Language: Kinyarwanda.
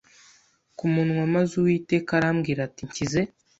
ku munwa maze Uwiteka arambwira ati Nshyize